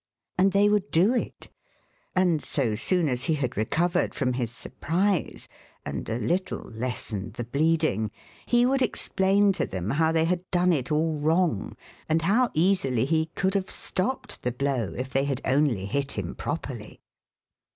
And they would do it. And so soon as he had recovered from his surprise, and a little lessened the bleeding, he would explain to them how they had done it all wrong, and how easily he could have stopped the blow if they had only hit him properly.